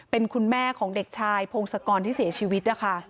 เป็นคุณแม่ของเด็กชายพงศกรที่เสียชีวิตนะคะ